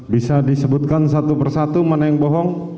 bisa disebutkan satu persatu mana yang bohong